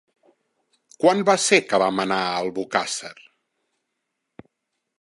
Quan va ser que vam anar a Albocàsser?